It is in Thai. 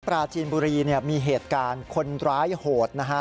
ปราจีนบุรีมีเหตุการณ์คนร้ายโหดนะฮะ